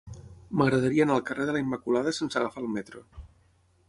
M'agradaria anar al carrer de la Immaculada sense agafar el metro.